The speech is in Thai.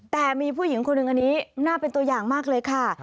แต่มีผู้หญิงคนหนึ่งอันนี้น่าเป็นตัวอย่างมากเลยค่ะ